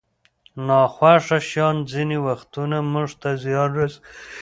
ناخوښه شیان ځینې وختونه موږ ته زیان رسوي.